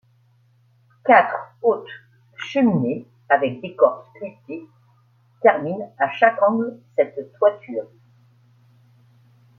Quatre hautes cheminées avec décor sculpté, terminent à chaque angle cette toiture.